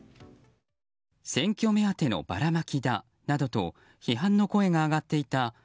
選挙目当てのばらまきだなどと批判の声が上がっていた